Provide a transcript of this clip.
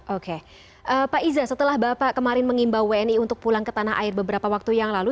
oke pak iza setelah bapak kemarin mengimbau wni untuk pulang ke tanah air beberapa waktu yang lalu